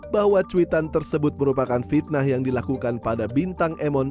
bahwa cuitan tersebut merupakan fitnah yang dilakukan pada bintang emon